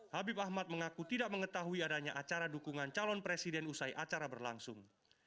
habib ahmad mengaku tidak mengetahui adanya acara dukungan calon presiden usai acara berlangsung